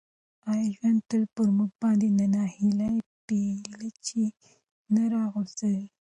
آیا ژوند تل په موږ باندې د ناهیلۍ بیلچې نه راغورځوي؟